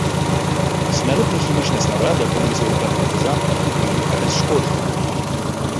Смяротныя хімічныя снарады апынуліся ў руках партызан і былі абясшкоджаныя.